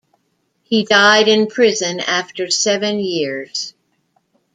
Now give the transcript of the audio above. He died in prison after seven years.